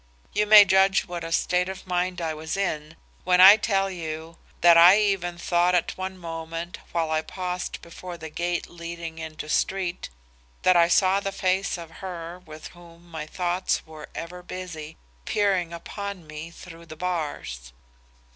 You may judge what a state of mind I was in when I tell you that I even thought at one moment while I paused before the gate leading into Street that I saw the face of her with whom my thoughts were ever busy, peering upon me through the bars.